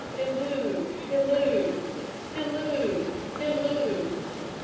Hilloo, hilloo, hilloo, hilloo!